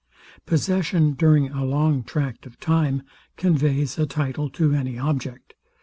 Possession during a long tract of time conveys a title to any object.